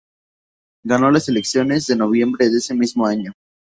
Ganó las elecciones de noviembre de ese mismo año.